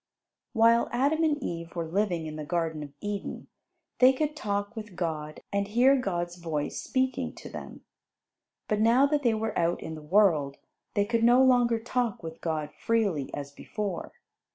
While Adam and Eve were living in the Garden of Eden, they could talk with God and hear God's voice speaking to them. But now that they were out in the world, they could no longer talk with God freely, as before.